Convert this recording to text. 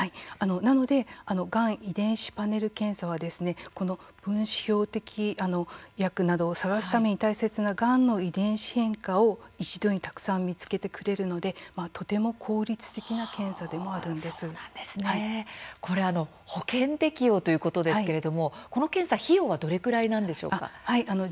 なのでがん遺伝子パネル検査は分子標的薬などを探すために大切ながんの遺伝子変化を一度にたくさん見つけてくれるので保険適用ということですがこの検査、費用はどれくらいなんでしょうか。